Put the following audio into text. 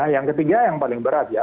yang ketiga yang paling berat ya